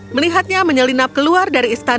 melihatnya menyelinap keluar dari istana